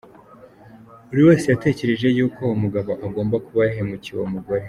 Buri wese yatekereje yuko uwo mugabo agomba kuba yahemukiye uwo mugore !